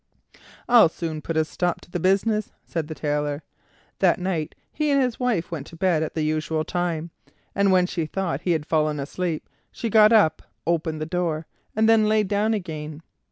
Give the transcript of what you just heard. "I'll soon put a stop to the business," said the Tailor. That night he and his wife went to bed at the usual time; and when she thought he had fallen asleep she got up, opened the door, and then lay down again.